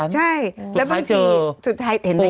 ใช่แล้วบางทีสุดท้ายเจอสุดท้ายเห็นไหมคะ